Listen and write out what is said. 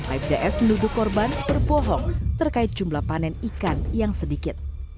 aibda s menuduh korban berbohong terkait jumlah panen ikan yang sedikit